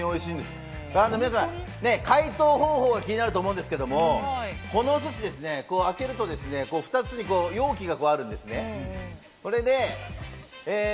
皆さん、解凍方法が気になると思うんですけどこのお寿司、開けると２つの容器があるんですね。